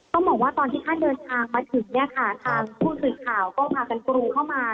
ต้องบอกว่าตอนที่ท่านเดินทางมาถึงเนี่ยค่ะทางผู้สื่อข่าวก็พากันกรูเข้ามา